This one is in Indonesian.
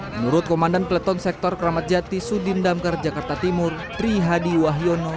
menurut komandan kleton sektor kramatjati udin damkar jakarta timur tri hadi wahyono